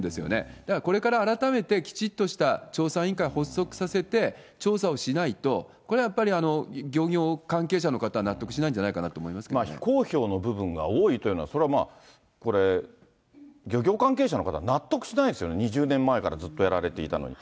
だからこれから改めてきちっとした調査委員会を発足させて調査をしないと、これはやっぱり漁業関係者の方は納得しないんじゃないかなと思い非公表の部分が多いというのは、それはまあ、漁業関係者の方、納得しないですよね、２０年前からずっとやられていたのに。